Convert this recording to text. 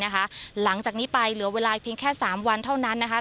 หลังจากนี้ไปเหลือเวลาเพียงแค่๓วันเท่านั้นนะคะ